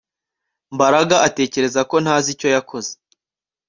Mbaraga atekereza ko ntazi icyo yakoze